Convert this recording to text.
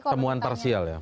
temuan parsial ya